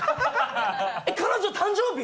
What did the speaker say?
彼女、誕生日！？